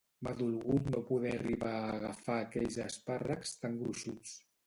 M'ha dolgut no poder arribar a agafar aquells espàrrecs tan gruixuts